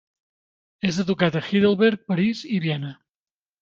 És educat a Heidelberg, París, i Viena.